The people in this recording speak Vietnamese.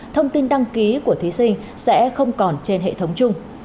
thông tin đăng ký của thí sinh sẽ không còn trên hệ thống chung